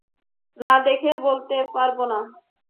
না দেখে বলতে পারব না।